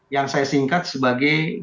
yang saya singkat sebagai gas atau gas